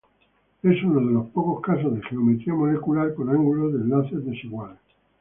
Es uno de los pocos casos de geometría molecular con ángulos de enlace desiguales.